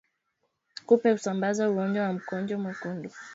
Kupe husambaza ugonjwa wa mkojo mwekundu